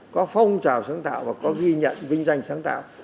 có phong trào sáng tạo và có ghi nhận vinh danh sáng tạo